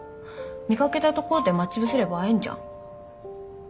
見掛けた所で待ち伏せれば会えんじゃん？